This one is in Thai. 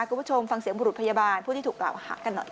คุณผู้ชมฟังเสียงบุรุษพยาบาลผู้ที่ถูกกล่าวหากันหน่อยค่ะ